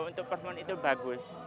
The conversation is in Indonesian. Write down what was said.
untuk perform itu bagus